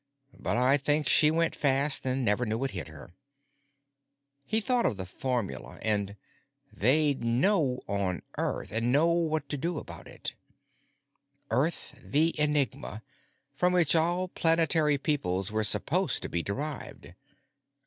"But I think she went fast and never knew what hit her." He thought of the formula and "They'd know on Earth—and know what to do about it too." Earth the enigma, from which all planetary peoples were supposed to be derived.